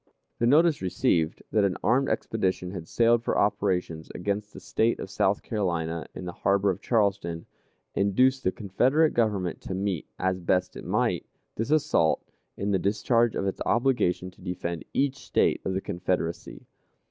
The notice received, that an armed expedition had sailed for operations against the State of South Carolina in the harbor of Charleston, induced the Confederate Government to meet, as best it might, this assault, in the discharge of its obligation to defend each State of the Confederacy.